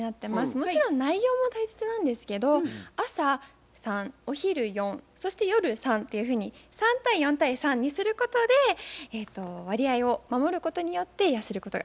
もちろん内容も大切なんですけど朝３お昼４そして夜３っていうふうに３対４対３にすることで割合を守ることによって痩せることができました。